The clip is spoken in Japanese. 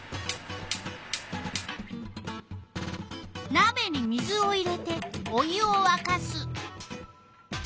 なべに水を入れてお湯をわかす。